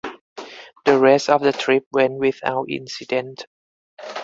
The rest of the trip went without incident.